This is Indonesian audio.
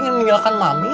yang meninggalkan mami